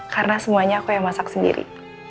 karena semuanya aku yang masak sendiri